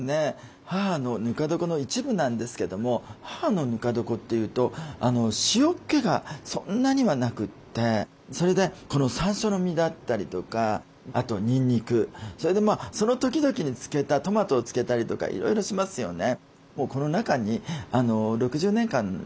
母のぬか床の一部なんですけども母のぬか床っていうと塩けがそんなにはなくてそれでこのさんしょうの実だったりとかあとにんにくそれでその時々に漬けたトマトを漬けたりとかいろいろしますよね。